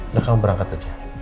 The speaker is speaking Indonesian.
udah kamu berangkat aja